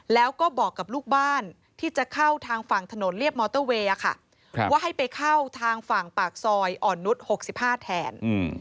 แล้วก็บอกกับลูกบ้านที่จะเข้าทางฝั่งถนนเรียบมอเตอร์เวย์ว่าให้ไปเข้าทางฝั่งปากซอยอ่อนนุษย์๖๕แทน